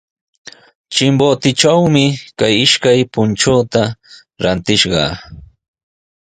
Chimbotetrawmi kay ishkay punchuta rantishqaa.